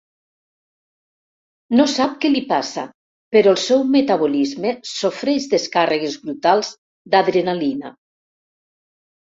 No sap què li passa però el seu metabolisme sofreix descàrregues brutals d'adrenalina.